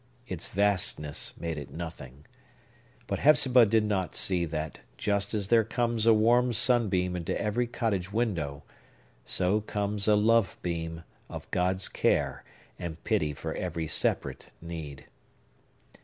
Its vastness made it nothing. But Hepzibah did not see that, just as there comes a warm sunbeam into every cottage window, so comes a lovebeam of God's care and pity for every separate need.